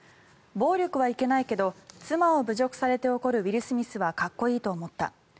暴力はいけないけど妻を侮辱されて怒るウィル・スミスはかっこいいと思った。